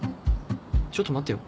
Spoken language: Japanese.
ちょっと待てよ